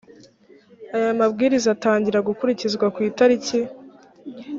aya mabwiriza atangira gukurikizwa ku italiki